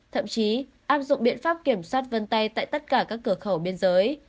thậm chí áp dụng biện pháp kiểm soát vân tay tại tất cả các cửa khẩu biên giới